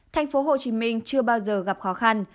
thành phố hồ chí minh chưa bao giờ gặp khó khăn